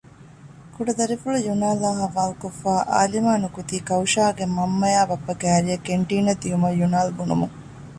ކުޑަ ދަރިފުޅު ޔުނާލްއާއި ހަވާލުކޮށްފައި އާލިމާ ނުކުތީ ކައުޝާގެ މަންމައާއި ބައްޕަ ކައިރިއަށް ކެންޓީނަށް ދިޔުމަށް ޔުނާލް ބުނުމުން